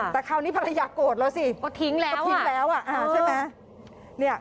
แต่คราวนี้ภรรยากันโกรธแล้วสิก็ทิ้งแล้วใช่ไหม